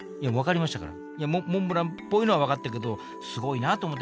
いやモンブランっぽいのは分かったけどすごいなと思って。